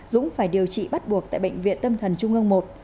dũng phải điều trị bắt buộc tại bệnh viện tâm thần trung ương một